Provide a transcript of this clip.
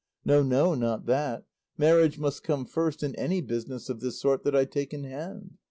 No, no, not that; marriage must come first in any business of this sort that I take in hand.